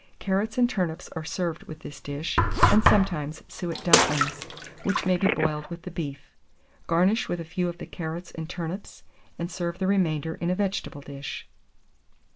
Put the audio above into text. Carrots and turnips are served with this dish, and sometimes suet dumplings, which may be boiled with the beef. Garnish with a few of the carrots and turnips, and serve the remainder in a vegetable dish.